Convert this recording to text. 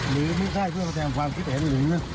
หรือไม่ใช่เพื่อแรงกลัวความคิดเหตุเรื่องหรือ